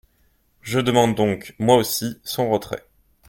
Je demande donc, moi aussi, son retrait.